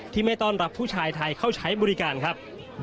ที่ไม่ต้อนรับผู้ชายไทยเข้าใช้บริการครับ